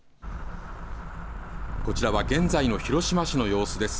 こちらは現在の広島市の様子です。